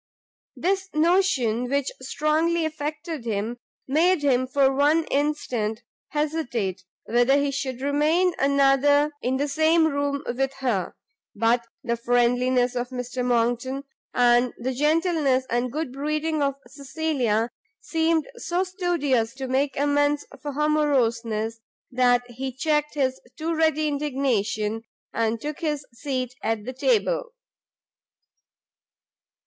This notion, which strongly affected him, made him, for one instant, hesitate whether he should remain another in the same room with her: but the friendliness of Mr Monckton, and the gentleness and good breeding of Cecilia, seemed so studious to make amends for her moroseness, that he checked his too ready indignation, and took his seat at the table.